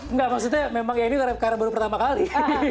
enggak maksudnya memang ya ini karena baru pertama kali